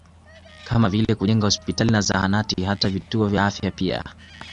Kama vile kujenga hospitali na zahanati hata vituo vya afya pia